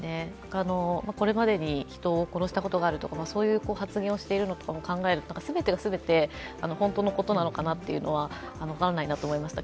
これまでに人を殺したことがあるとか、そういう発言をしているのも考えると全てが全て、本当のことなのかなというのは分からないなと思いました。